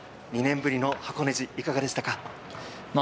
２年ぶりの箱根路いかがでしたか。